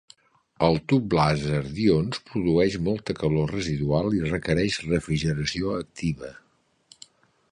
El tub làser d'ions produeix molta calor residual i requereix refrigeració activa.